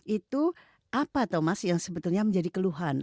itu apa mas yang sebetulnya menjadi keluhan